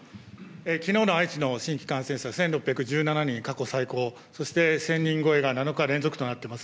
きのうの愛知の新規感染者１６１７人、過去最高、そして、１０００人超えが７日連続となっております。